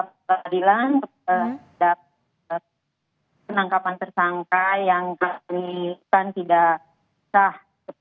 dan kita juga membuat peradilan terhadap penangkapan tersangka yang kami lakukan tidak sah